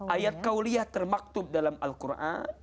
ayat kauliyah termaktub dalam al quran